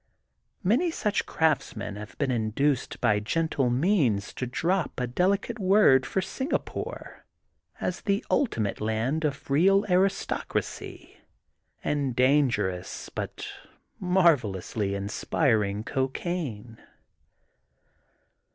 Many such craftsmen have been in duced by gentle means to drop a delicate word for Singapore as the ultimate land of real aristocracy, and dangerous but marvel ously inspiring cocaine.